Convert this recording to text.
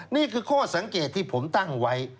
นี่คือข้อสังเกตที่ผมตั้งไว้